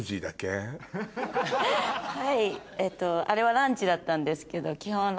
あれはランチだったんですけど基本。